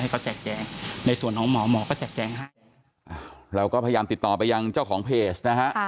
เราก็พยายามติดต่อไปยังเจ้าของเพจนะครับ